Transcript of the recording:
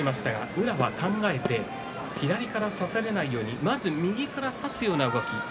宇良は考えて左から差されないようにまず右から差すような動き。